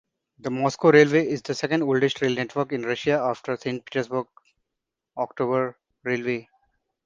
The Moscow railway is the second oldest rail network in Russia after the St. Petersburg October Railway.